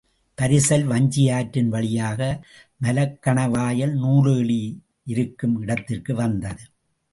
பரிசல் வஞ்சியாற்றின் வழியாக மலைக்கணவாயில் நூலேணி இருக்கும் இடத்திற்கு வந்தது.